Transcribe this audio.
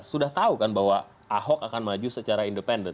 sudah tahu kan bahwa ahok akan maju secara independen